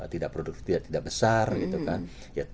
tidak produktif tidak besar gitu kan